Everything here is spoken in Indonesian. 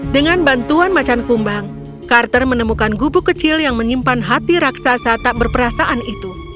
dengan bantuan macan kumbang carter menemukan gubuk kecil yang menyimpan hati raksasa tak berperasaan itu